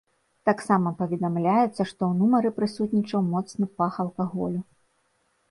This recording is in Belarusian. Таксама паведамляецца, што ў нумары прысутнічаў моцны пах алкаголю.